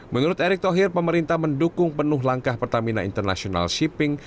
menurut erick thohir pemerintah mendukung penuh langkah pertamina international shipping